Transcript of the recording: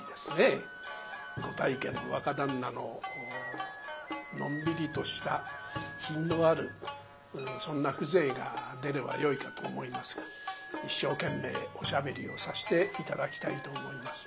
ご大家の若旦那ののんびりとした品のあるそんな風情が出ればよいかと思いますが一生懸命おしゃべりをさして頂きたいと思います。